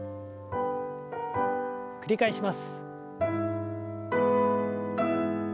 繰り返します。